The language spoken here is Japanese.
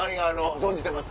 存じてます